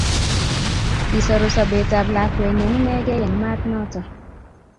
kisoru sobetab lakwenyin inegei Eng' maat noto